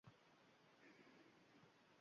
Na millat tanladi